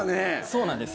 そうなんです。